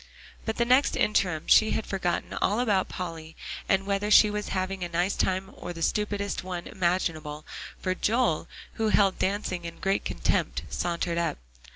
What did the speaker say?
By the next interim she had forgotten all about Polly and whether she was having a nice time or the stupidest one imaginable, for Joel, who held dancing in great contempt, sauntered up.